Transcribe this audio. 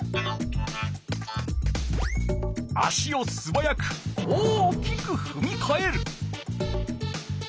足をすばやく大きくふみかえる。